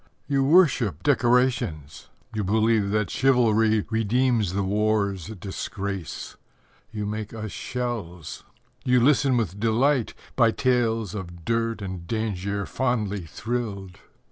You worship decorations; you believe That chivalry redeems the war's disgrace. You make us shells. You listen with delight, By tales of dirt and danger fondly thrilled.